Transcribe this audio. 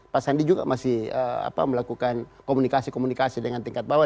pak sandi juga masih melakukan komunikasi komunikasi dengan tingkat bawah